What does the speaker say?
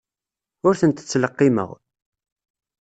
Ur tent-ttleqqimeɣ.